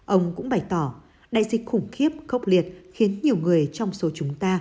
ông cũng bày tỏ đại dịch khủng khiếp khốc liệt khiến nhiều người trong số chúng ta